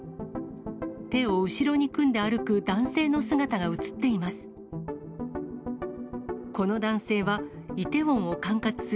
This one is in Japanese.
手を後ろに組んで歩く男性の姿が写っています。